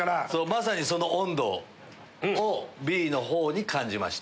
まさにその温度をＢの方に感じました。